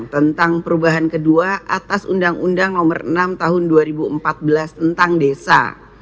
tentang perubahan kedua atas undang undang nomor enam tahun dua ribu empat belas tentang desa